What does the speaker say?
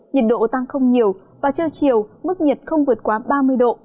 nhiệt độ tăng không nhiều và trêu chiều mức nhiệt không vượt qua ba mươi độ